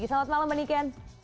selamat malam mbak niken